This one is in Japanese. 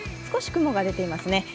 少し雲が出ていますね。